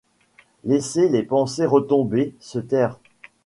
Laisser les pensées retomber, se taire.